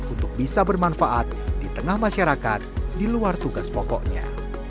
untuk bisa bermanfaat di tengah masyarakat di luar tugas pokoknya